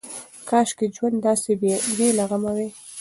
کاشکې ژوند داسې بې له غمه وای.